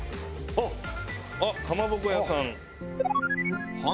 あっかまぼこ屋さん。